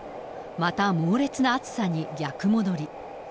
また猛烈な暑さに逆戻り。